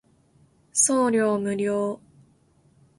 送料無料